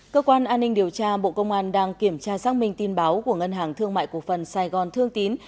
cơ quan an ninh điều tra bộ công an đang kiểm tra xác minh tin báo của ngân hàng thương mại cổ phần sài gòn thương tín